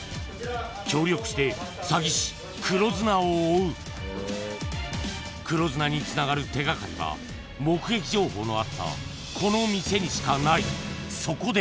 協力してサギ師・黒ズナを追う黒ズナにつながる手がかりは目撃情報のあったこの店にしかないそこで！